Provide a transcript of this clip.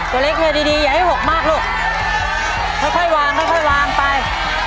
ตัวเล็กเลยดีอย่าให้หกมากลูกค่อยวางวางไป